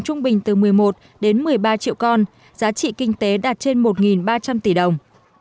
trung bình từ một mươi một đến một mươi ba triệu con giá trị kinh tế đạt trên một ba trăm linh tỷ đồng